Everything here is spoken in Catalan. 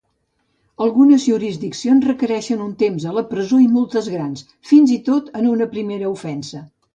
Algunes jurisdiccions requereixen un temps a la presó i multes més grans, fins i tot en una primera ofensa.